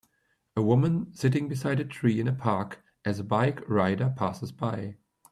a woman sitting beside a tree in a park as a bike rider passes by